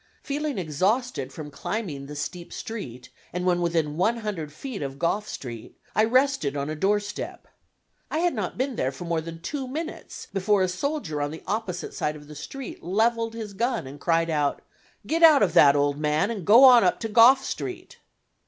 Feeling exhausted from climbing the steep street, and when within one hundred feet of Gough Street I rested on a doorstep. I had not been there for more than two minutes before a soldier on the opposite side of the street leveled his gun and cried out, "Get out of that old man, and go up on to Gough Street."